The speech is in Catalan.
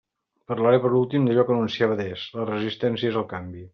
Parlaré, per últim, d'allò que anunciava adés: les resistències al canvi.